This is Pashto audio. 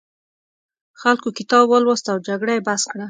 خلکو کتاب ولوست او جګړه یې بس کړه.